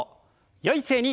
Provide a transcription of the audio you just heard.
よい姿勢に。